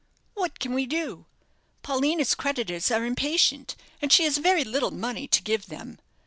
"What can we do? Paulina's creditors are impatient, and she has very little money to give them.